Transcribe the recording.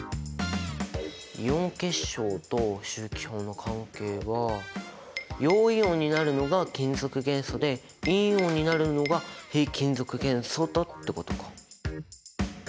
イオン結晶と周期表の関係は陽イオンになるのが金属元素で陰イオンになるのが非金属元素だってことか。